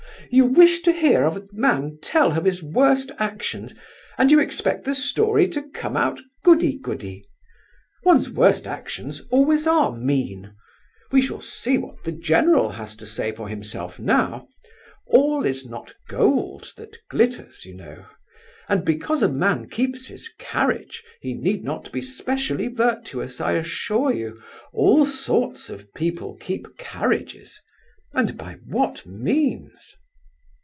"Bah! you wish to hear a man tell of his worst actions, and you expect the story to come out goody goody! One's worst actions always are mean. We shall see what the general has to say for himself now. All is not gold that glitters, you know; and because a man keeps his carriage he need not be specially virtuous, I assure you, all sorts of people keep carriages. And by what means?"